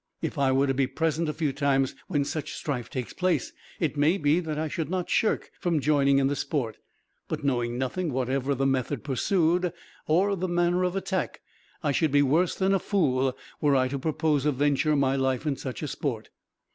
If I were to be present a few times, when such strife takes place, it may be that I should not shirk from joining in the sport; but knowing nothing whatever of the method pursued, or of the manner of attack, I should be worse than a fool, were I to propose to venture my life in such a sport."